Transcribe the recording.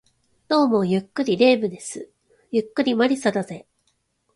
どうも、ゆっくり霊夢です。ゆっくり魔理沙だぜ